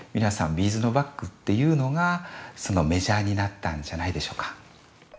ビーズのバッグっていうのがメジャーになったんじゃないでしょうか。